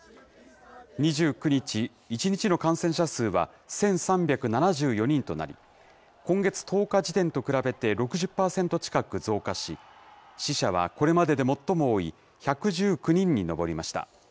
２９日、１日の感染者数は１３７４人となり、今月１０日時点と比べて６０％近く増加し、死者はこれまでで最も多い１１９人に上りました。